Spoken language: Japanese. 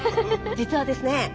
実はですね